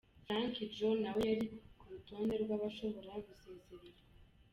Frankie Joe nawe yari ku rutonde rw'abashobora gusezererwa.